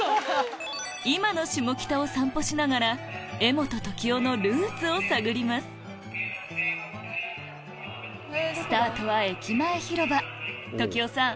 今のシモキタを散歩しながら柄本時生のルーツを探りますスタートは駅前広場時生さん